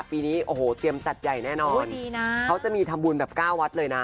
ปีนี้เตรียมจัดใหญ่แน่นอนเขาจะมีทำบุญแบบก้าววัดเลยนะโอ้โฮดีนะ